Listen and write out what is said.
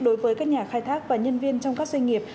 đối với các nhà khai thác và nhân viên trong các doanh nghiệp